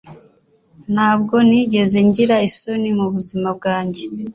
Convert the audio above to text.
Ntabwo nigeze ngira isoni mubuzima bwanjye